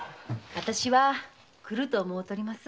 私は来ると思うとります。